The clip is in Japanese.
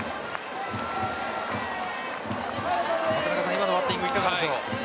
今のバッティングいかがでしょう？